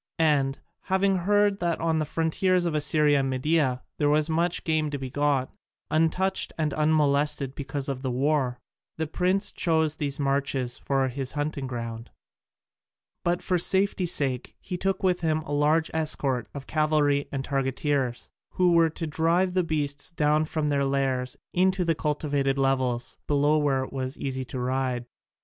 And, having heard that on the frontiers of Assyria and Media there was much game to be got, untouched and unmolested because of the war, the prince chose these marches for his hunting ground. But for safety sake he took with him a large escort of cavalry and targeteers, who were to drive the beasts down from their lairs into the cultivated levels below where it was easy to ride.